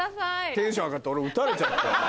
テンション上がって俺撃たれちゃったよ。